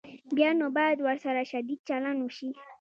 بیا نو باید ورسره شدید چلند وشي.